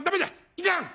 いかん！」。